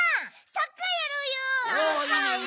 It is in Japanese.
サッカーやろうよ！